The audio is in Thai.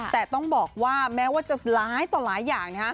แต่ต้องบอกว่าแม้ว่าจะหลายต่อหลายอย่าง